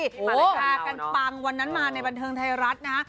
มาเลยพากันปังวันนั้นมาในบันเทิงไทยรัฐนะฮะ